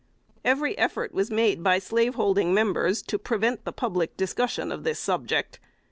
Every effort was made by slaveholding members to prevent the public discussion of this subject.